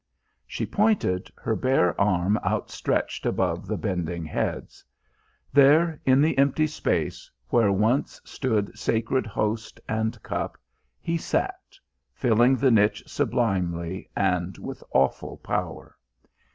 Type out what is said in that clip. She pointed, her bare arm outstretched above the bending heads. There, in the empty space, where once stood sacred Host and Cup, he sat, filling the niche sublimely and with awful power.